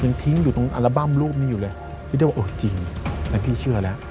ยังทิ้งอยู่ตรงอัลบั้มรูปนี้อยู่เลยพี่ได้ว่าโอ้จริงแต่พี่เชื่อแล้ว